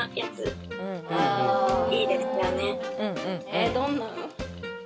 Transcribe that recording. えっどんな？